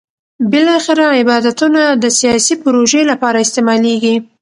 بالاخره عبادتونه د سیاسي پروژې لپاره استعمالېږي.